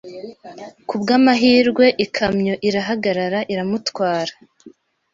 kubw'amahirwe ikamyo irahagarara iramutwara.